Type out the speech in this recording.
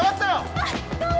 あっどうも！